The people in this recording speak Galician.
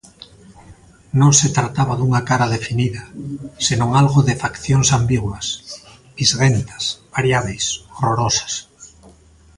Non se trataba dunha cara definida, senón algo de faccións ambiguas, visguentas, variábeis, horrorosas.